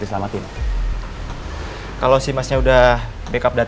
zaafkan air jodoh di tanah